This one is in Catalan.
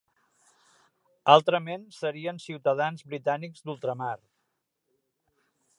Altrament serien ciutadans britànics d'ultramar.